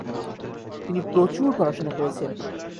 তিনি প্রচুর পড়াশোনা করেছেন।